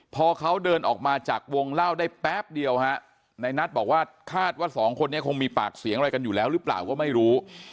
พอเขาเดินออกมาจากวงเล่าได้แป๊บเดียวฮะในนัทบอกว่าคาดว่าสองคนนี้คงมีปากเสียงอะไรกันอยู่แล้วหรือเปล่าก็ไม่รู้